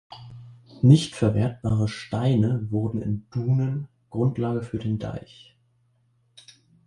Nicht verwertbare Steine wurden in Duhnen Grundlage für den Deich.